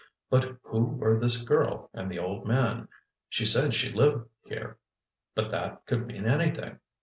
But who were this girl and the old man? She said she lived here—but that could mean anything.